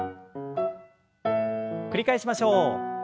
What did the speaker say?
繰り返しましょう。